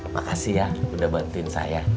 makasih ya udah bantuin saya